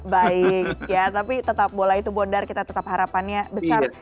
baik ya tapi tetap bola itu bondar kita tetap harapannya besar